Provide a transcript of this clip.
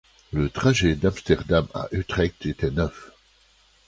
Le trajet d'Amsterdam à Utrecht était neuf.